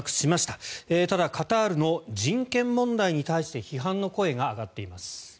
ただカタールの人権問題に対して批判の声が上がっています。